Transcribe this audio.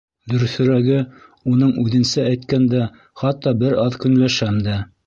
Дөрөҫөрәге, уның үҙенсә әйткәндә, хатта бер аҙ көнләшәм дә.